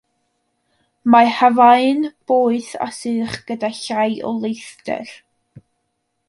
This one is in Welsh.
Mae hafau'n boeth a sych gyda llai o leithder.